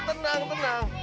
iya tenang tenang